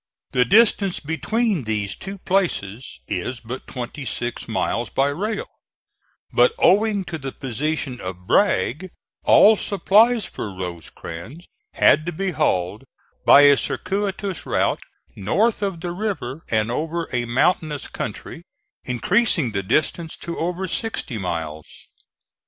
The distance between these two places is but twenty six miles by rail, but owing to the position of Bragg, all supplies for Rosecrans had to be hauled by a circuitous route north of the river and over a mountainous country, increasing the distance to over sixty miles.